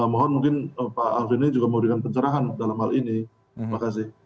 mohon mungkin pak alvin lim juga memberikan pencerahan dalam hal ini terima kasih